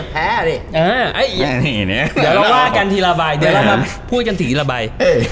ดิเดี๋ยวเราว่ากันทีละใบเดี๋ยวเรามาพูดกันทีละใบ